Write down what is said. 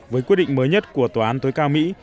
với quyết định mới nhất của tòa án tối cao mỹ